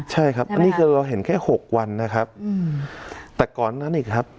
ใช่ครับอันนี้คือเราเห็นแค่หกวันนะครับแต่ก่อนนั้นอีกครับ